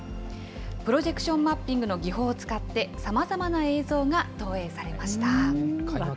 プロジェクションマッピングの技法を使って、さまざまな映像が投影されました。